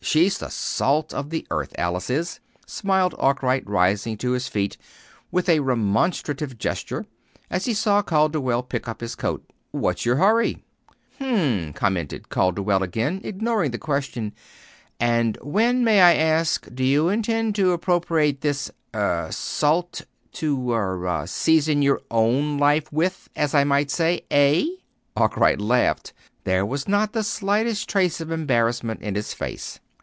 She's the salt of the earth Alice is," smiled Arkwright, rising to his feet with a remonstrative gesture, as he saw Calderwell pick up his coat. "What's your hurry?" "Hm m," commented Calderwell again, ignoring the question. "And when, may I ask, do you intend to appropriate this er salt to er ah, season your own life with, as I might say eh?" Arkwright laughed. There was not the slightest trace of embarrassment in his face.